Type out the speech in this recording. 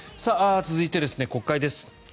続いて、国会です。